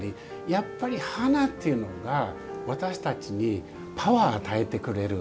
やっぱり、花っていうのが私たちにパワーを与えてくれる。